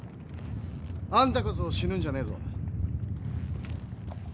あんたこそ死ぬんじゃねえぞ。